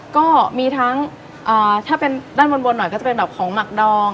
ก็มีทั้งถ้าเป็นด้านบนหน่อยก็จะเป็นแบบของหมักดอง